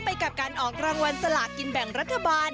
ไปกับการออกรางวัลสลากินแบ่งรัฐบาล